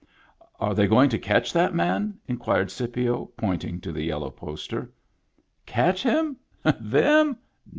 " Are they going to catch that man ?" inquired Scipio, pointing to the yellow poster. " Catch him ? Them